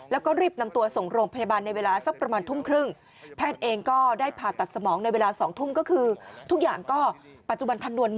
ปัจจุบันทันลวนหมดนะครับ